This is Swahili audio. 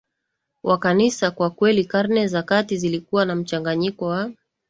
wa Kanisa Kwa kweli Karne za Kati zilikuwa na mchanganyiko wa